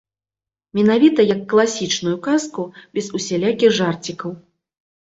Менавіта як класічную казку, без усялякіх жарцікаў.